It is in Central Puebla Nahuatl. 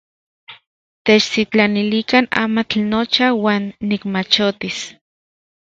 Techtitlanilikan amatl nocha uan nikmachotis.